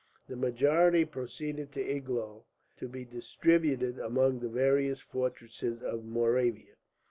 The majority proceeded to Iglau, to be distributed among the various fortresses of Moravia.